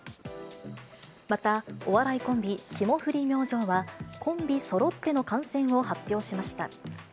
また、お笑いコンビ、霜降り明星は、コンビそろっての感染を発表しました。